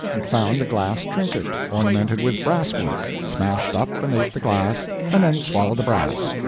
It found a glass trinket ornamented with brass work smashed up and ate the glass, and then swallowed the brass.